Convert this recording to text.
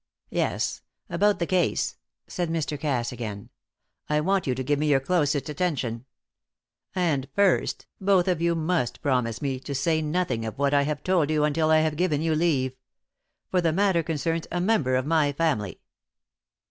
"Yes; about the case," said Mr. Cass again. "I want you to give me your closest attention. And, first, both of you must promise me to say nothing of what I have told you until I have given you leave. For the matter concerns a member of my family."